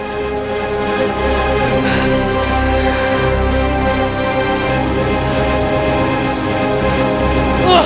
minta maaf forzat kiyat santang